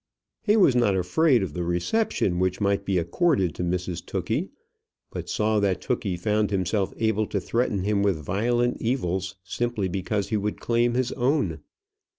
He was not afraid of the reception which might be accorded to Mrs Tookey, but saw that Tookey found himself able to threaten him with violent evils, simply because he would claim his own.